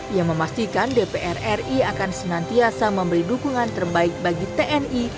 ia memastikan dpr ri akan senantiasa memberi dukungan terbaik bagi tni